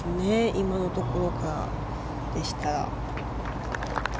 今のところからでしたら。